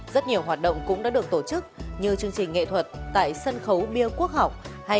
rất nhiều hoạt động cũng đã được tổ chức như chương trình nghệ thuật tại sân khấu bia quốc học